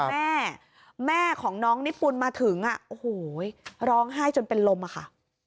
แม่แม่ของน้องนิปุ่นมาถึงอ่ะโอ้โหร้องไห้จนเป็นลมอะค่ะ